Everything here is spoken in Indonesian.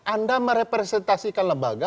anda merepresentasikan lembaga